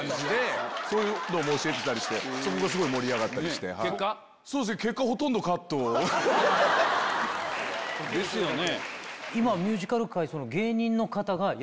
そういうのも教えてたりしてそこがすごい盛り上がった。ですよね。